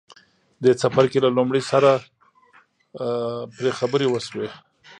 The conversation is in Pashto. دې څپرکي له لومړي سره پرې خبرې وشوې.